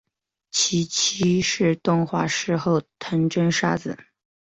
其妻是动画师后藤真砂子。